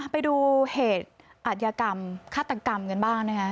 ไปดูเหตุอัดยากรรมฆ่าตังกรรมเงินบ้างนะครับ